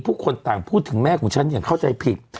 ผู้คนต่างพูดถึงแม่ของฉันอย่างเข้าใจผิด